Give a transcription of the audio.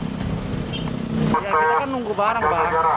kita kan nunggu barang pak